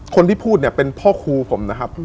คนที่พูดเนี่ยเป็นพ่อครูผมนะครับ